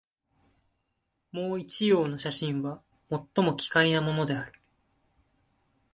もう一葉の写真は、最も奇怪なものである